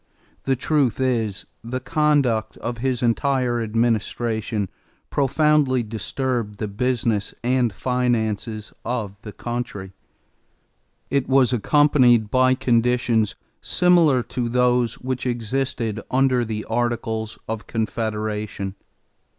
The truth is the conduct of his entire administration profoundly disturbed the business and finances of the country. It was accompanied by conditions similar to those which existed under the Articles of Confederation.